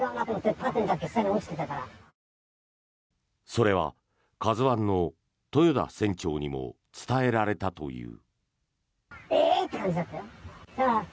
それは「ＫＡＺＵ１」の豊田船長にも伝えられたという。